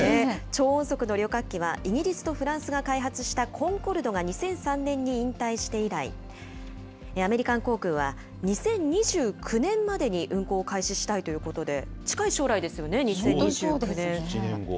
超音速の旅客機は、イギリスとフランスが開発したコンコルドが２００３年に引退して以来、アメリカン航空は、２０２９年までに運航を開始したいということで、近い将来ですよね、２０２９年。